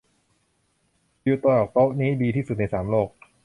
วิวจากโต๊ะนี้ดีที่สุดในสามโลก